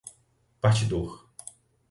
partidor